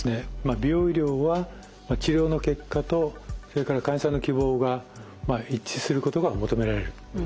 美容医療は治療の結果とそれから患者さんの希望が一致することが求められるんですね。